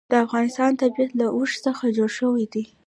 د افغانستان طبیعت له اوښ څخه جوړ شوی دی.